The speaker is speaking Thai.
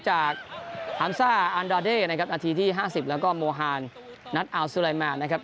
จากฮามซ่าอันดาเด่นะครับนาทีที่๕๐แล้วก็โมฮานนัทอัลซูไลนแมนนะครับ